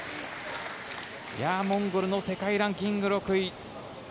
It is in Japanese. モンゴルの世界ランキング６位。